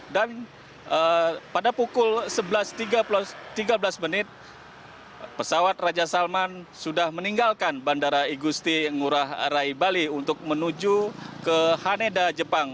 dan pada pukul sebelas tiga belas menit pesawat raja salman sudah meninggalkan bandara igusti ngurah rai bali untuk menuju ke haneda jepang